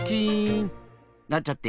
なんちゃって。